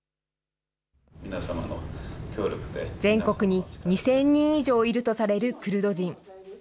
全国に２０００人以上いるとされるクルド人。